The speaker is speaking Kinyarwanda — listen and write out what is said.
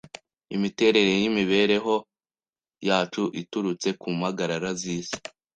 Imiterere yimibereho yacu iturutse ku mpagarara zisi